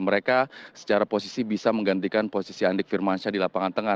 mereka secara posisi bisa menggantikan posisi adik firmansyah